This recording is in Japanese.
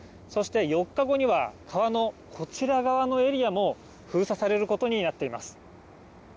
そして４日後には川のこちら側のエリアも封鎖されることになっています。